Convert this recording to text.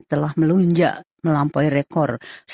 telah melunjak melampaui rekor